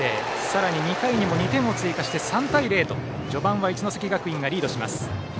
さらに、２回にも２点を追加して３対０と序盤は一関学院がリードします。